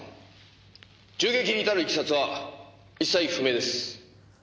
銃撃に至るいきさつは一切不明です。